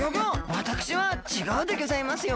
わたくしはちがうでギョざいますよ！